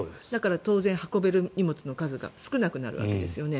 当然運べる荷物の数が少なくなるわけですよね。